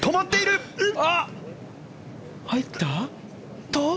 入った？